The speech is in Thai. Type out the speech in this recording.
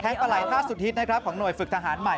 แท้งปลายท่าสุดทิศของหน่วยฝึกทหารใหม่